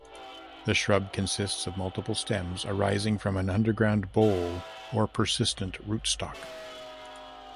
The shrub consists of multiple stems arising from an underground bole or persistent rootstock.